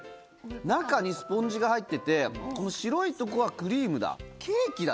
中にスポンジが入っててこの白いとこはクリームだケーキだ。